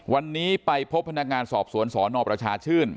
วันนี้ไปพบพนักงานสอบสวนสนประชาชื่น